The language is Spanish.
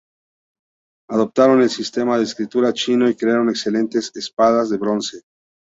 Adoptaron el sistema de escritura chino y crearon excelentes espadas de bronce.